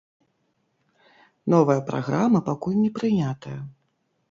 Новая праграма пакуль не прынятая.